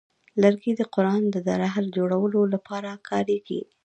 لرګی د قران د رحل جوړولو لپاره کاریږي.